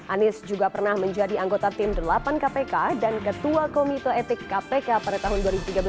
anies juga pernah menjadi anggota tim delapan kpk dan ketua komite etik kpk pada tahun dua ribu tiga belas